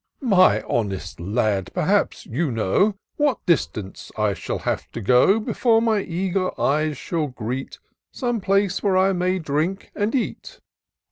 " My honest lad, perhaps you know What distance I shall have to go, Before my eager eyes may greet Some place where I may drink and eat."